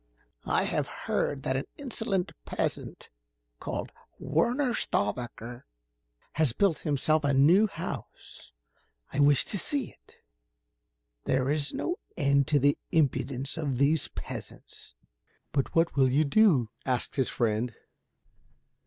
I have heard that an insolent peasant called Werner Stauffacher has built himself a new house. I wish to see it. There is no end to the impudence of these peasants." "But what will you do?" asked his friend.